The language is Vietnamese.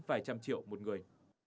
vài trăm triệu một người